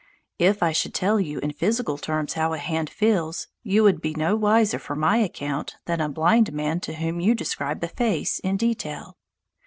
If I should tell you in physical terms how a hand feels, you would be no wiser for my account than a blind man to whom you describe a face in detail.